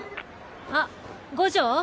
あっ五条？